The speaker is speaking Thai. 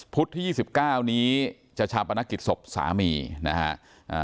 พุธที่๒๙นี้จะชาปนักกิจศพสามีนะครับ